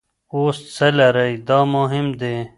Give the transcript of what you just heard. اوس څه لرئ دا مهم دي.